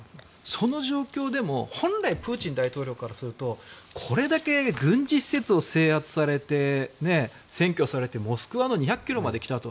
その状況でも本来プーチン大統領からするとこれだけ軍事施設を制圧されて占拠されてモスクワの２００ｋｍまで来た。